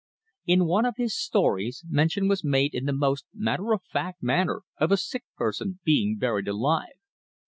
In one of his stories mention was made in the most matter of fact manner of a sick person being buried alive.